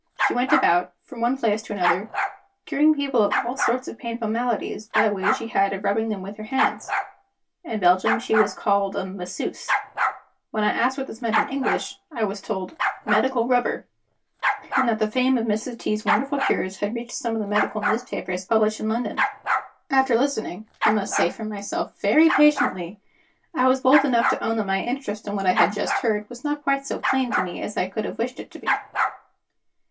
She went about, from one place to another, curing people of all sorts of painful maladies, by a way she had of rubbing them with her hands. In Belgium she was called a "Masseuse." When I asked what this meant in English, I was told, "Medical Rubber," and that the fame of Mrs. T.'s wonderful cures had reached some of the medical newspapers published in London. After listening (I must say for myself) very patiently, I was bold enough to own that my interest in what I had just heard was not quite so plain to me as I could have wished it to be.